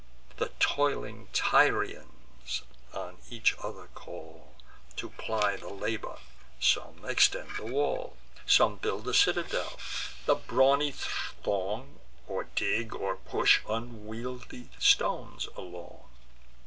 The toiling Tyrians on each other call To ply their labour: some extend the wall; Some build the citadel; the brawny throng Or dig, or push unwieldly stones along.